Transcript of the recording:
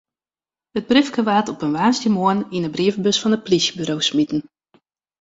It briefke waard op in woansdeitemoarn yn de brievebus fan it polysjeburo smiten.